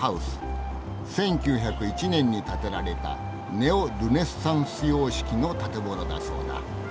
１９０１年に建てられたネオ・ルネサンス様式の建物だそうだ。